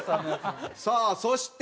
さあそして